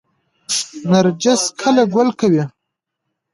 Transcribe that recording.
نرجس کله ګل کوي؟